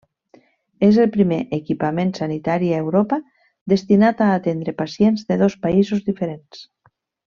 És el primer equipament sanitari a Europa destinat a atendre pacients de dos països diferents.